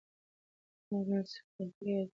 ما په مېلمستون کې له خپل یو زاړه ټولګیوال سره ولیدل.